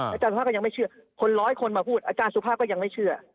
อาจารย์สุภาพก็ยังไม่เชื่อคนร้อยคนมาพูดอาจารย์สุภาพก็ยังไม่เชื่อ